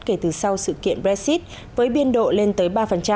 kể từ sau sự kiện brexit với biên độ lên tới ba